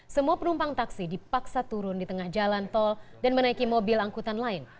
semua penumpang taksi dipaksa turun di tengah jalan tol dan menaiki mobil angkutan lain